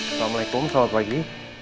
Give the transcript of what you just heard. assalamualaikum selamat pagi